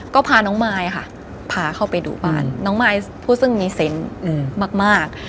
ก็พาน้องมายค่ะพาเข้าไปดูบ้านน้องมายผู้ซึ่งมีเซนต์มาก